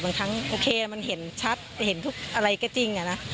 บางครั้งโอเคมันเห็นชัดเห็นทุกอะไรก็จริงอะนะ